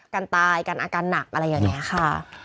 กันตายกันอาการหนักอะไรอย่างนี้ค่ะ